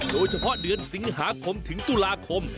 โดยเฉพาะเดือนสิงหาคมถึงตุลาคม